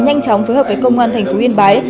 nhanh chóng phối hợp với công an thành phố yên bái